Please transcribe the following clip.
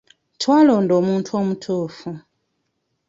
Twalonda omuntu omutuufu.